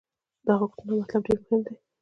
دا غوښتنه او طلب ډېر مهم دی.